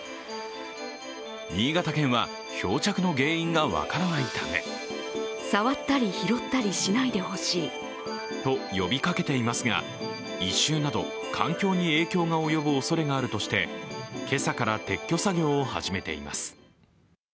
新潟県は漂着の原因が分からないためと、呼びかけていますが異臭など環境に影響が及ぶおそれがあるとして今朝から撤去作業を始めています。